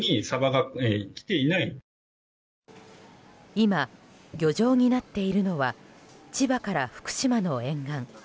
今、漁場になっているのは千葉から福島の沿岸。